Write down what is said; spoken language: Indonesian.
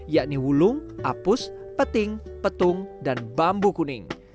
yakni wulung apus peting petung dan bambu kuning